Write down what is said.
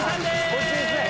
こっちですね。